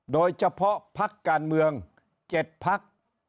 โดยเฉพาะพักการเมือง๗พัก